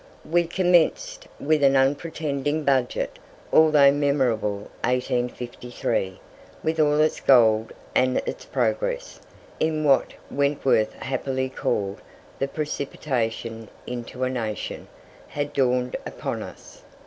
We commenced with an unpretending budget, although memorable 1853, with all its gold and its progress, in what Wentworth happily called the precipitation into a nation, had dawned upon us.